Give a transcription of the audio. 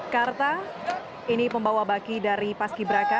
karta ini pembawa baki dari paski beraka